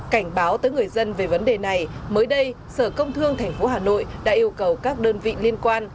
cảnh báo tới người dân về vấn đề này mới đây sở công thương tp hà nội đã yêu cầu các đơn vị liên quan